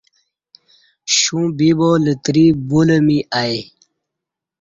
شوں بِبا لتری بُلہ می ای